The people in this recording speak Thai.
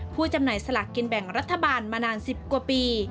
จำหน่ายสลากกินแบ่งรัฐบาลมานาน๑๐กว่าปี